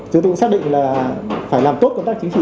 chúng tôi cũng xác định là phải làm tốt công tác chính trị